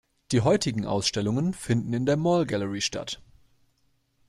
Die heutigen Ausstellungen finden in der "Mall Gallery" statt.